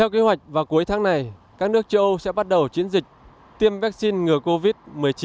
kế hoạch vào cuối tháng này các nước châu âu sẽ bắt đầu chiến dịch tiêm vaccine ngừa covid một mươi chín